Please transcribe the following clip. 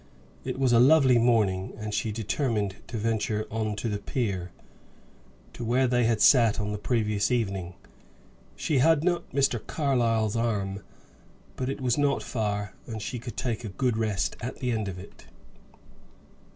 It was a lovely morning, and she determined to venture on to the pier, to where they had sat on the previous evening. She had not Mr. Carlyle's arm, but it was not far, and she could take a good rest at the end of it.